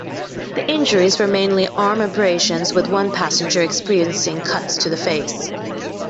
The injuries were mainly arm abrasions, with one passenger experiencing cuts to the face.